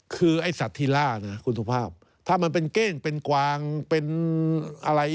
คือไอ้สัตว์ที่ล่านะคุณสุภาพถ้ามันเป็นเก้งเป็นกวางเป็นอะไร